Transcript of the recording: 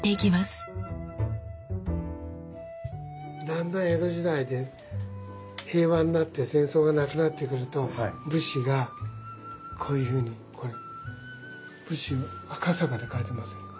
だんだん江戸時代で平和になって戦争がなくなってくると武士がこういうふうにこれ赤坂って書いてませんか？